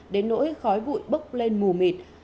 đến nỗi khói bụi bốc lên mù mịt